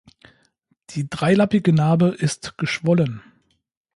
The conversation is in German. Die dreilappige Narbe ist geschwollen.